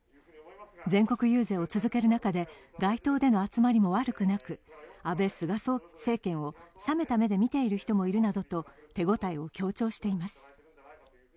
全国遊説を続ける中で街頭での集まりも悪くなく、安倍・菅政権を冷めた目で見ている人もいるなどと手応えを強調しています。